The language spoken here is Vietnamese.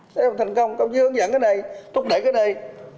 thế không thành công công chứa hướng dẫn cái này thúc đẩy cái này